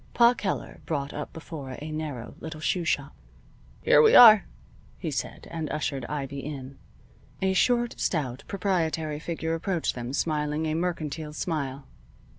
Pa Keller brought up before a narrow little shoe shop. "Here we are," he said, and ushered Ivy in. A short, stout, proprietary figure approached them smiling a mercantile smile.